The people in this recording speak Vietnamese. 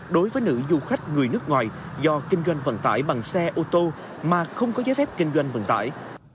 đối với nữ du khách người nước ngoài do kinh doanh vận tải bằng xe ô tô mà không có giấy phép kinh doanh vận tải